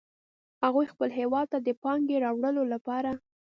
هغوی خپل هیواد ته د پانګې راوړلو لپاره